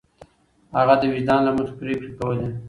هغه د وجدان له مخې پرېکړې کولې.